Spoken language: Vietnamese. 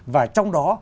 và trong đó